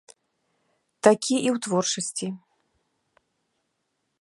Такі і ў творчасці.